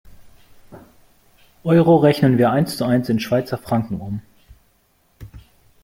Euro rechnen wir eins zu eins in Schweizer Franken um.